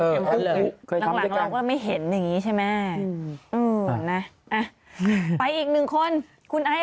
หลังเราก็ไม่เห็นอย่างนี้ใช่ไหมไปอีกหนึ่งคนคุณไอ้